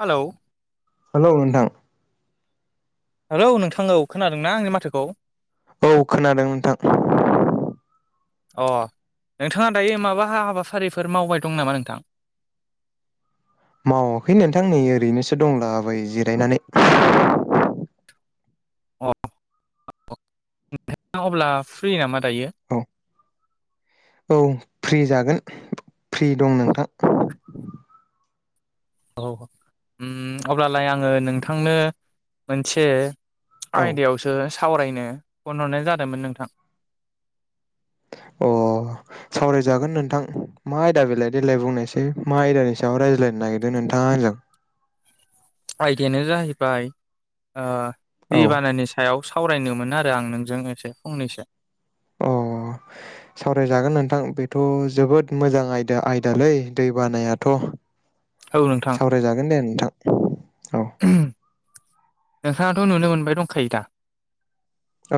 Hello hello नोंथां hello नोंथां औ खोनादोंना आंनि माथोखौ औ खोनादों नोंथां अ नोंथाङा दायो माबा हाबाफारिफोर मावबाय दं नामा नोंथां मावाखै नोंथां नै ओरैनोसो दंलाबायो नै जिरायनानै अ नोंथां अब्ला फ्रि नामा दायो औ औ फ्रि जागोन फ्रि दं नोंथां औ ओम अब्लालाय आङो नोंथांनो मोनसे औ आइदायावसो सावरायनो फन हरनाय जादोंमोन नोंथां अ सावरायजागोन नोंथां मा आयदा बेलाय देलाय बुंनायसै मा आयदानि सायाव रायज्लायनो नागिरदों नोंथाङा आंजों आयदायानो जाहैबाय ओ दै औ बानानि सायाव सावरायनोमोन आरो आं नोंजों एसे फंनैसो अ सावरायजागोन नोंथां बेथ' जोबोद मोजां आयदा आयदालै दै बानायाथ' औ नोंथां सावरायजागोन दे नोंथां औ नोंथाङाथ' नुनो मोनबाय दंखायो दा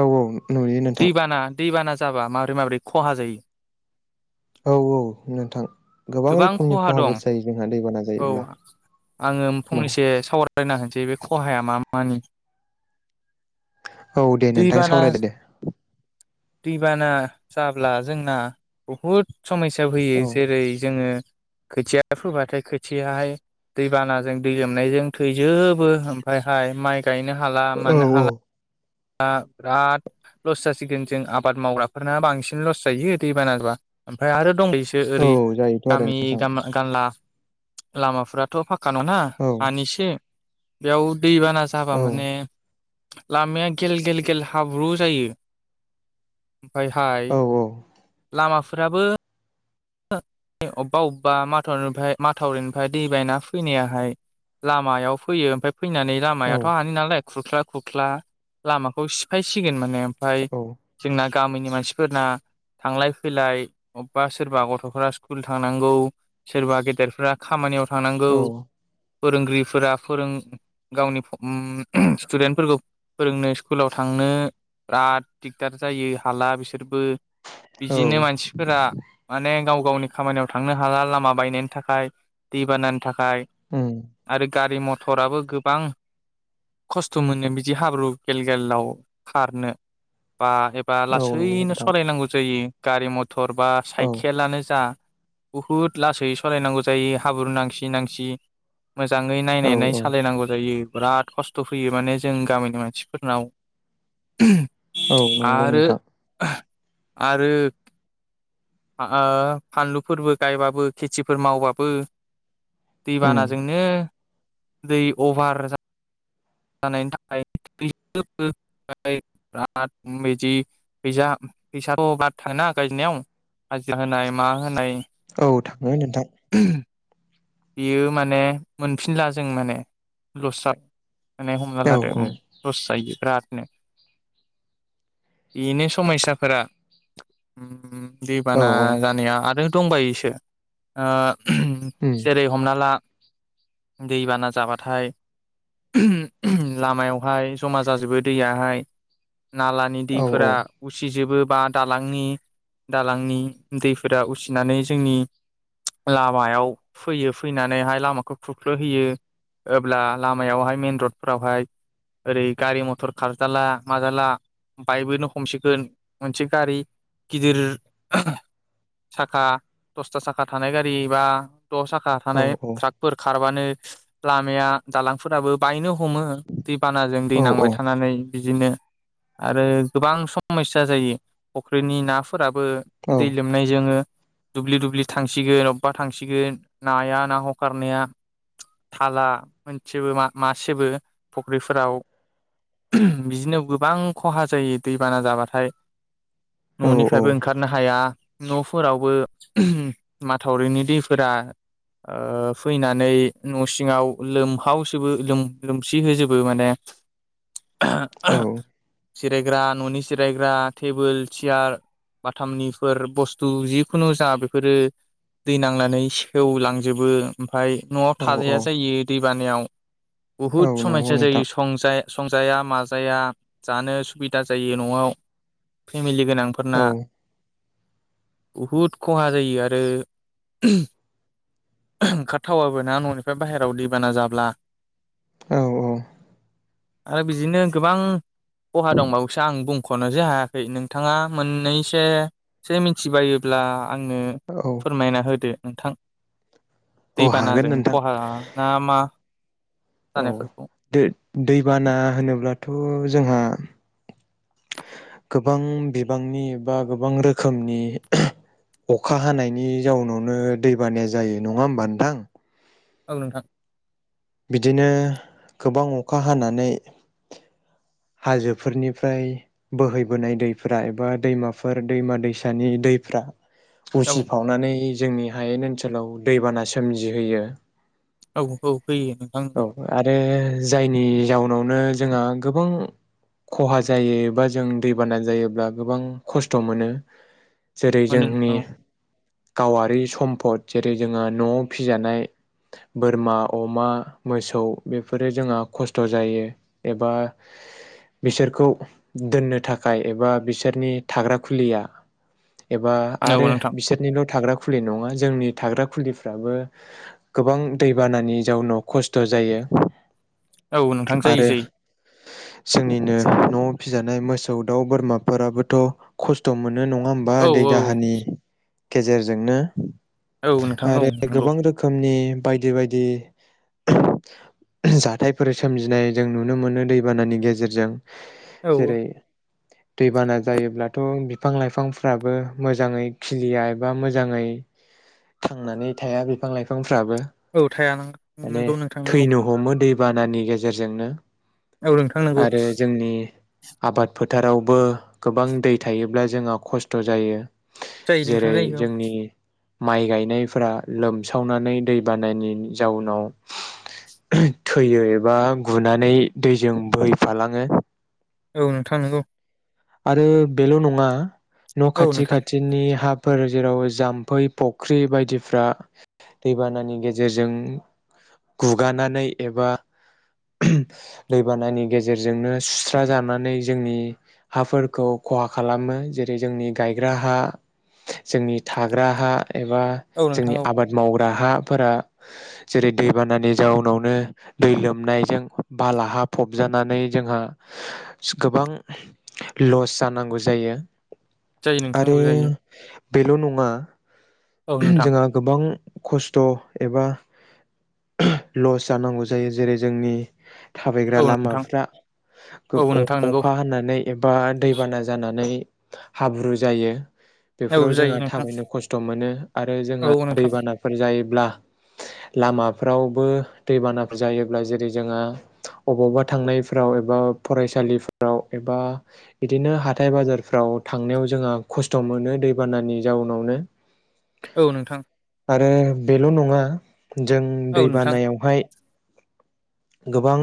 औ औ नुयो नोंथां दैबाना दैबाना जाबा माबोरै माबोरै खहा जायो। औ औ नोंथां गोबां रोखोमनि खहा दं खहाफोर जायो जोंहा दैबाना औ जायोब्ला माव फरायना होनोसै बे खहाया मा मानि औ दे नोंथां दैबाना सावरायदो दे दैबाना जाब्ला जोंना बहुद समायसा फैयो औ जेरै जोङो खोथिया फोबाथाय खोथियाहाय दैबानाजों दै लोमनायजों थैजोबो ओमफाय हाय माइ गायनो हाला औ मानो औ हाला दा बिराद लस जासिगोन जों आबाद मावग्राफोरना बांसिन लस जायो दै बानाबा ओमफ्राय आरो दं सो औ ओरै जायोथ' आरो गामि नोंथां गामा-गानला लामाफ्राथ' फा खा नङाना औ हानि सो बेयावथ दैबाना जाबा औ माने लामाया गेल-गेलगेल हाब्रु जायो। ओमफायहाय औ लामा फोराबो [unintelligible] अबेबा अबेबा माथावरिनिफ्राय-माथावरिनिफ्राय दै बायना फैनायाहाय लामायाव फैयो ओमफाय फैनानै औ लामायाथ हानि नालाय खुरख्ला खुरख्ला लामाखौ सिफायसिगोन माने ओमफाय जोंना गामिनि मानसिफोरना थांलाय फैलाय अबास सोरबा गथ'फोरा स्कुल थांनांगौ सोरबा गेदेरफोरा खामानियाव थां थांनांगौ। औ फोरोंगिरिफोरा फोरों गावनि स्टुदेन्टफोरखौ फोरोंनो स्कुलाव थांनो बिराद दिग्दार जायो हाला बिसोरबो औ बिदिनो मानसिफोरा माने गाव गावनि खामानियाव थांनो हाला लामा बायनायनि थाखाय दै बानानि थाखाय उम आरो गारि मथराबो गोबां खस्थ मोनो बिदि हाब्रु गेल गेलाव खारनो बा एबा औ लासै नंगौ यैनो नोंथां सलायनांगौ जायो। गारि मथर बा औ साइकेलानो जा बुहुद लासै सालायनांगौ जायो हाब्रु नांसि नांसि। मोजाङै औ नायनाय नाय औ सालायनांगौ जायो। बिराद खस्थ फैयो माने जों गामिनि मानसिफोरनाव। औ नंगौ आरो नोंथां आरो ओ फानलुफोरबो गायबाबो खेथिफोर मावबाबो उम दैबानाजोंनो दै अभार जानायनि थाखायै [unintelligible] थाङोना गायनायाव हाजिरा होनाय मा होनाय। औ थाङो नोंथां। बियो माने मोनफिनला जों माने लस [unintelligible] हमना औ लादो औ लस जायो बिरादनो। बेनो समयसाफोरा। औ दैबाना जानाया आरो दंबायोसो ओ उम जेरै हमना ला। दैबाना जाबाथाय। [unintelligible] लामायावहाय। जमा जाजोबो दैयाहाय। नालानि औ दैफोरा उसिजोबो। बा दालांनि दालांनि दैफोरा उसिनानै जोंनि लामायाव। फैयो फैनानैहाय लामाखौ खुख्लोहैयो अब्ला लामायावहाय मेन रडफोरावहाय ओरै गारि मथर खारजाला माजाला बाइकबोनो हमसिगोन मोनसे गारि गिदिर साखा दसथा साखा थानाय गारि बा। द साखा औ थानाय ट्राकफोर खार माबानो लामाया दालांफोराबो बायनो। हमो दै बानाजों दै औ नांबाय थानानै। बिदिनो आरो गोबां समस्या जायो फुख्रिनि ना। फोराबो औ दै लोमनायजोंनो। दुब्लि दुब्लि थांसिगोन अबेबा थांसिगोन। नाया ना हगारनाया थाला मोनसेबो मा-मासेबो फुख्रिफोराव बिदिनो गोबां खहा जायो दैबाना जाबाथाय। औ न'निफ्रायबो ओंखारनो हाया। न'फोरावबो माथावरिनि दैफोरा। ओ फैनानै न' सिङाव लोमलावजोबो लोम-लोमसिजोबो माने। औ [inaudible] जिरायग्रा न'नि जिरायग्रा टेबोल सियार बाथामनिफोर बुस्थु जिखुनु जा बेफोरो दै नांनानै सेेवलांजोबो। ओमफ्राय न'आव औ थाजाया जायो दै। बानायाव। औ बुहुद नंगौ समसा जायो नोंथां संजाय। संजाया माजाया जानो असुबिदा जायो न'आव। फेमिलि गोनांफोरना। औ बहुद खहा जायो आरो। ओंखारथावाबोना न'निफ्राय बाहेरायाव दैबाना जाब्ला। औ औ। आरो बिदिनो गोबां खहा दंबावोसो आं बुंख'नोसो हायाखै नोंथाङा मोननैसोसो मिथिबायोब्ला। आंनो औ फोरमायना होदो। नोंथां। औ हागोन दैबानाजों नोंथां खहा ना मा। औ जानायफोरखौ दैबाना होनोब्लाथ' जोंहा। गोबां बिबांनि बा गोबां रोखोमनि अखा हानायनि जाउनावनो दैबानाया जायो नङा होमबा नोंथां। औ नोंथां बिदिनो गोबां अखा हानानै हाजोफोरनिफ्राय बोहैबोनाय दैफ्रा एबा दैमाफोर दैमा दैसानि दैफ्रा औ उसिफावनानै जोंनि हायेन ओनसोलाव दैबाना सोमजिहोयो। औ औ होयो नोंथां औ आरो जायनि जाउनावनो जोंहा गोबां खहा जायोबा जों दैबाना जायोब्ला गोबां खस्थ' मोनो। जेरै मोनो जोंनि नोंथां गावआरि सम्फद जेरै जोंहा न'आव फिजानाय बोरमा अमा मोसौ बेफोरो जोंहा खस्थ' जायो एबा बिसोरखौ दोननो थाखाय एबा बिसोरनि थाग्रा खुलिया एबा औ आरो नोंथां बिसोरनिल' थाग्रा खुलि नङा जोंनि थाग्रा खुलिफ्राबो गोबां दैबानानि जाउनाव खस्थ' जायो। औ नोंथां जायो आरो जायो जोंनिनो न' फिजानाय मोसौ दाउ बोरमाफोराबोथ' खस्थ' मोनो नो नङा होमबा औ दै औ दाहारनि गेजेरजोंनो औ नोंथां औ आरो नंगौ गोबां रोखोमनि बायदि बायदि जाथायाइफोर सोमजिनाय जों नुनो मोनो दै दैबानानि गेजेरजों। औ जेरै दैबाना जायोब्लाथ' बिफां लाइफांफ्राबो मोजाङै खिलिया एबा मोजाङै थांनानै थाया बिफां लाइफां । फ्राबो औ थाया माने नंगौ नोंथां नंगौ थैनो हमो दै दै बानानि गेजेरजोंनो औ नोंथां नोंगौ आरो जोंनि आबाद फोथारावबो गोबां दै थायोब्ला जोंहा खस्थ' जायो। जायो नोंथां जेरै जायो जोंनि माइ गायनायफोरा लोमसावनानै दै बानानि जाउनाव थैयो एबा गुनानै दै जों बोहैफालाङो‌ औ नोंथां नंगौ। आरो बेल' नङा न' औ खाथि नोंथां खाथिनि हाफोर जेराव जाम्फै फुख्रि बायदिफ्रा दैबानानि गेजेरजों गुगानानै एबा दैबानानि गेजेरजोंनो सुस्रा जानानै जोंनि हाफोरखौ खहा खालामो जेरै जोंनि गायग्रा हा जोंनि थाग्रा हा एबा औ जोंनि नोंथां औ आबाद माव ग्रा हाफोरा जेरै दैबानानि जाउनावनो दै लोमनायजों बाला हा फबजानानै जोंहा गोबां लस जानांगौ जायो। जायो नोंथां आरो औ जायो बेल' नङा औ नोंथां जोंहा गोबां खस्थ' एबा लस जानांगौ जायो जेरै जोंनि थाबायग्रा औ नोंथां लामाफ्रा गोब औ नोंथां नंगौ अ-अखा हानानै एबा दैबाना जानाय नानै हाब्रु जायो। औ बेफोराव जोंहा जायो नोंथां थाबायनो खस्थ' मोनो आरो औ जोंहा नोंथां दैबानाफोर जायो ब्ला लामाफ्रावबो दैबानाफोर जायोब्ला जेरै जोंहा अबावबा थांनायफ्राव एबा फरायसालिफोराव एबा बिदिनो हाथाय बाजारफ्राव थांनायाव जोंहा खस्थ' मोनो दैबानानि जाउनावनो औ नोंथां आरो बेल' नङा जों औ दै नोंथां बानायावहाय गोबां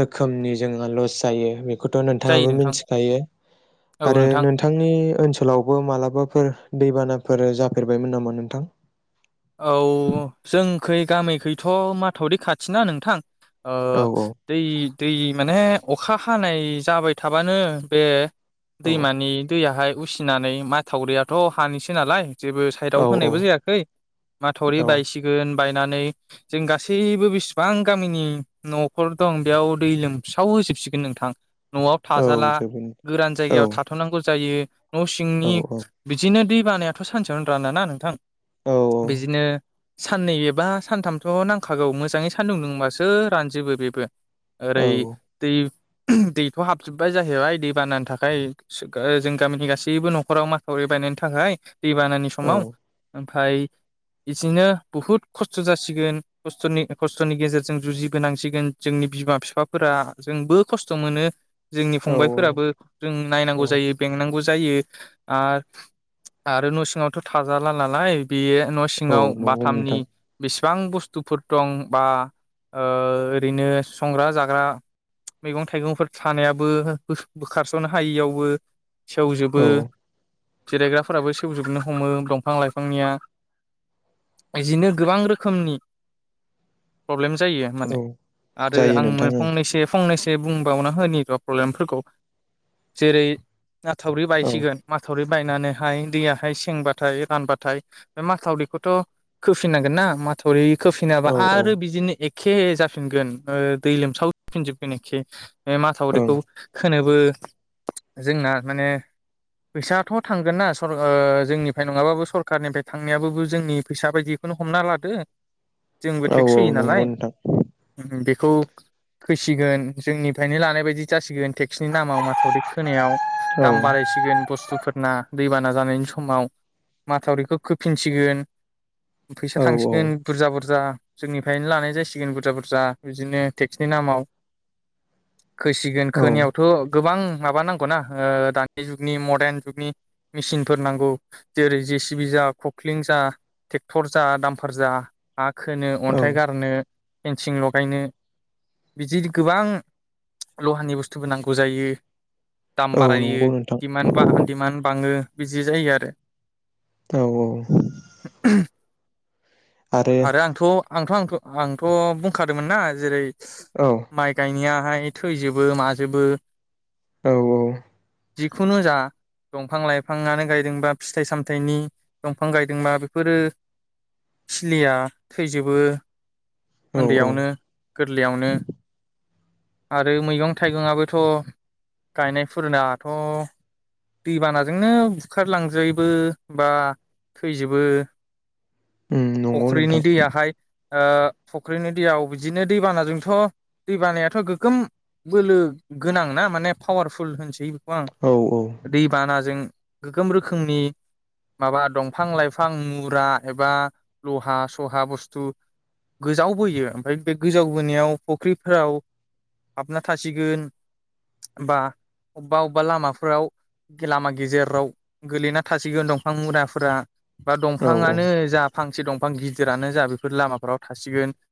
रोखोमनि जोंहा लस जायो बे खौथ' जायो नोंथाङाबो नोंथां मिनथिखायो औ आरो नोंथां नोंथांनि ओनसोलावबो मालाबाफोर दैबानाफोर जाफेरबायमोन नामा नोंथां? औ जोंखै गामिखैथ' माथावरि खाथिना नोंथां ओ औ दै दै माने अखा हानाय जाबाय थाबानो बे औ दैमानि दैयाहाय उसि फैनानै मा थावरियाथ' हानिसो नालाय। जेबो औ साइडआव होनायबो जायाखै माथावरि औ बायसिगोन। बायनानै जों गासैबो बेसेबां गामिनि न'खर दं बेयाव दै लोमसाव होजोबसिगोन नोंथां। न'आव औ थाजाला जोबोद गोरान औ जायगायाव थाथ'नांगौ जायो। न' सिंनि औ बिदिनो दै बानायाथ' सानसेयावनो रानोना नोंथां। औ बिदिनो। साननै एबा सानथामथ' नांखागौ मोजाङै सान्दुं दुंबासो रानजोबो बेबो। औ ओरै दै दैथ' हाबजोब्बाय जाहैबाय दै बानानि थाखाय जों गामिनि गासैबो न'खराव माथावरि बायनायनि थाखाय। दै बानानि समाव ओमफाय इदिनो बहुद खस्थ' जासिगोन खस्थ'नि खस्थ'नि गेजेरजों जुजिबोनांसिगोन जोंनि बिमा बिफाफोरा जोंबो खस्थ' मोनो। जोंनि औ फंबायफोराबो जों नायनांगौ औ जायो बेंनांगौ जा जायो आ आरो न' सिङावथ' थाजाला नालाय बेयो न' औ सिङाव नंगौ बाथामनि नोंथां बि बिबां बुस्थुफोर दं बा ओरैनो संग्रा जाग्रा मैगं थाइगंफोर सानायाबो बोखारस'नो हायियावबो। सेवजोबो। औ जिरायग्राफोराबो सेवजोबनो हमो दंफां लाइफांनिया बइदिनो गोबां रोखोमनि प्रब्लेम जायो माने औ आरो जायो आं नोंथां फंनैसो दे बुंबावनो होननिबा प्रब्लेमफोरखौ जेरै माथावरि ओं बायसिगोन माथावरि बायनानैहाय दैयाहाय सेंबाथाय रानबाथाय बे माथावरिखौथ' खोफिननांगोन ना माथावरि खोफिनाबा औ आरो बिदिनो एखे जाफिनगोन दै लोमसावफिनजोबगोन एखे बे औ ओं मासावरिखौ खोनोब जोंना माने फैसााथ' थांगोन ना जोंनिफ्राय नङाबाबो सरकखारारनिफ्राय थांनायाबो जोंनि फैसा बायदिखौनो हमना लादो जोंबो औ टेक्स औ होयो नालाय नंगौ नोंथां बे खौ फैसिगोन जोंनिफ्रायनो लानाय बायदि जासिगोन टेक्सनि दामाव माथावरि खोनायाव औ दाम बारायसिगोन बुस्थुफोरना दैबाना जानायनि समाव माथावरिखौ खोफिनसिगोन। फैसा औ थांसिगोन बुरजा बुरजा जोंनिफ्रायनो लानाय जासिगोन बुरजा बुरजा बिदिनो टेक्सनि नामाव खोसिगोन औ खोनायावथ' गोबां माबा नांगौना दानि जुगनि मडार्न जुगनि मेसिनफोर नांगौ जेरै जे सि [unintelligible] खखलिं जा ट्रेक्टर जा दामफार जा हा खोनो औ अन्थाइ गारनो। पेनसिं लगायनो बिदि गोबां लहानि बुस्थुबो नांगौ जायो। दाम औ बारायो नंगौ नोंथां दिडमान्ड ब दिडिमान्ड बाङो। बिजि जायो आरो। औ औ आरो आंथ' आंथ-' आंथ' -आंथ' बुंखादोंमोनना जेरै औ माइ गायनिया [unintelligible] थैजोबो माजोबो। औ औ जिखुनु जा दंफां -लाइफाङानो गायदोंबा फिथाइ सामथायाइनि दंफां गायदोंबा बेफोरो सिलिया थैजोबो। औ औ उन्दैयावनो गोरलैयावनो। आरो मैगं -थाइगंआबोथ' गायनायफोरनाथ' दैबानाजोंनो बुखारलांजायोबो बा थैजोबो। उम नंगौ फुख्रिनि नोंथां दैयाहाय ओ फुख्रिनि दैयाव बिदिनो दैबानाजोंथ' दैबानायाथ' गोगोम बोलो गोनांना माने पावारफुल होनसै औ औ [unintelligible] दै बानाजों गोग्गोम रोखोमनि माबा दंफां- लाइफां मुरा एबा लहा सहा बुस्थु गोजावबोयो ओमफाय बे गोजाव बोनायाव फुख्रिफोराव हाबना थासिगोन बा अबेबा अबेबा लामाफोराव लामा गेजेराव गोलैना थासिगोन [unintelligible] [unintelligible] मुराफोरा बा औ औ दंफाङानो [unintelligible] [unintelligible] दंफां गिदिरानो जा बेफोर लामाफ्राव थासिगोन